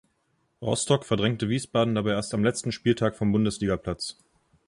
Rostock verdrängte Wiesbaden dabei erst am letzten Spieltag vom Bundesliga-Platz.